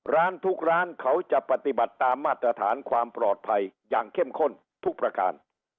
ร้านทุกร้านเขาจะปฏิบัติตามมาตรฐานความปลอดภัยอย่างเข้มข้นทุกประการ